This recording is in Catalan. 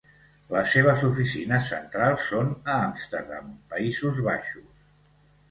Les seves oficines centrals són a Amsterdam, Països Baixos.